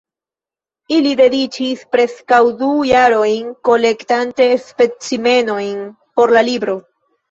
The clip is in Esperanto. Ili dediĉis preskaŭ du jarojn kolektante specimenojn por la libro.